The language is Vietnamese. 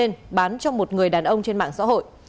và đem số pháo trên bán cho một người đàn ông trên mạng xã hội